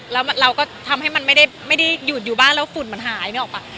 แล้วเราก็ทำให้มันไม่ได้หยุดอยู่บ้านแล้วฝุ่นมันหายนึกออกป่ะ